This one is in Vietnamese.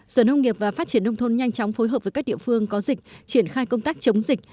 sở nông nghiệp và phát triển nông thôn nhanh chóng phối hợp với các địa phương có dịch triển khai công tác chống dịch